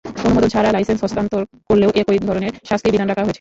অনুমোদন ছাড়া লাইসেন্স হস্তান্তর করলেও একই ধরনের শাস্তির বিধান রাখা হয়েছে।